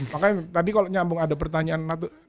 makanya tadi kalau nyambung ada pertanyaan